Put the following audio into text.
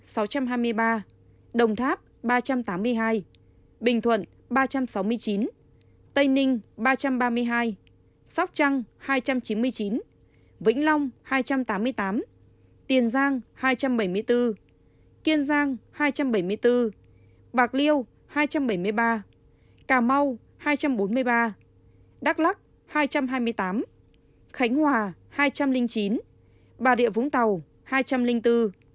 thành phố hồ chí minh chín trăm tám mươi năm đồng tháp ba trăm tám mươi hai bình thuận ba trăm sáu mươi chín tây ninh ba trăm ba mươi hai sóc trăng hai trăm chín mươi chín vĩnh long hai trăm tám mươi tám tiền giang hai trăm bảy mươi bốn kiên giang hai trăm bảy mươi bốn bạc liêu hai trăm bảy mươi ba cà mau hai trăm bốn mươi ba đắk lắc hai trăm hai mươi tám khánh hòa hai trăm linh chín bà địa vũng tàu hai trăm linh bốn